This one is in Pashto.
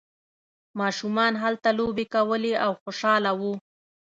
ماشومان هلته لوبې کولې او خوشحاله وو.